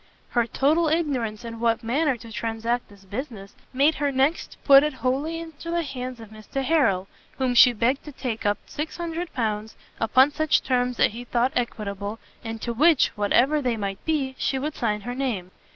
Her total ignorance in what manner to transact this business, made her next put it wholly into the hands of Mr Harrel, whom she begged to take up 600 pounds, upon such terms as he thought equitable, and to which, what ever they might be, she would sign her name.